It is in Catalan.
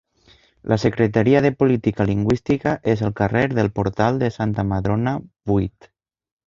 La Secretaria de Política Lingüística és al carrer del Portal de Santa Madrona, vuit.